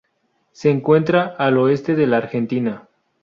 Se encuentra al oeste de la Argentina.